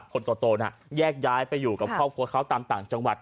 คนโตน่ะแยกย้ายไปอยู่กับครอบครัวเขาตามต่างจังหวัด